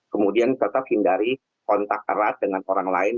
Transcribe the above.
kemudian tetap hindari kontak erat dengan orang lain